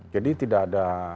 jadi tidak ada